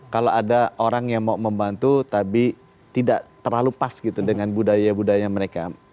kalau ada orang yang mau membantu tapi tidak terlalu pas gitu dengan budaya budaya mereka